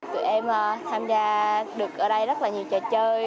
tụi em tham gia được ở đây rất là nhiều trò chơi